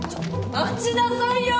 待ちなさいよ！